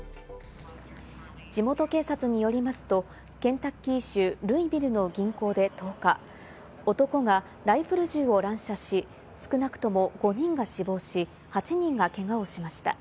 地元警察によりますと、ケンタッキー州ルイビルの銀行で１０日、男がライフル銃を乱射し、少なくとも５人が死亡し、８人がけがをしました。